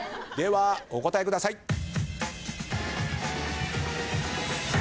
ではお答えください。